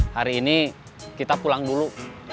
hari ini kita pulang dulu